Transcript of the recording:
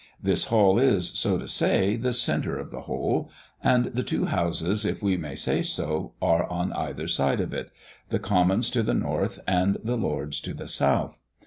This hall is, so to say, the centre of the whole; and the two Houses if we may say so, are on either side of it the Commons to the north, and the Lords to the south.